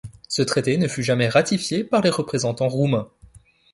Ce traité ne fut jamais ratifié par les représentants roumains.